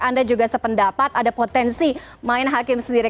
anda juga sependapat ada potensi main hakim sendiri